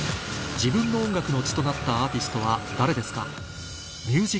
自分の音楽の血となったアーティストは誰ですか？